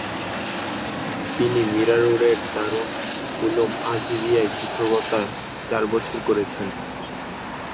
তিনি মীরা রোডের দারুল উলূম আজিজিয়ায় শিক্ষকতা চার বছর করেছেন।